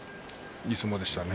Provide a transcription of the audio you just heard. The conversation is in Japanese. いい相撲でしたね。